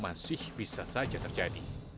masih bisa saja terjadi